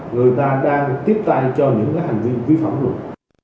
người ta đang tiếp tay cho những cái hành vi vi phẩm quốc lục